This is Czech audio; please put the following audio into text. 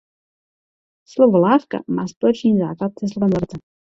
Slovo lávka má společný základ se slovem lavice.